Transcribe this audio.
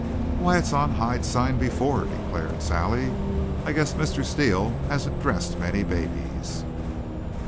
"Why, it's on hind side before," declared Sally. "I guess Mr. Steele hasn't dressed many babies."